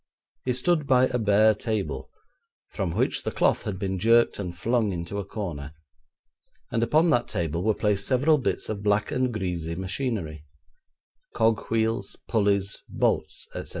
He stood by a bare table, from which the cloth had been jerked and flung into a corner, and upon that table were placed several bits of black and greasy machinery cog wheels, pulleys, bolts, etc.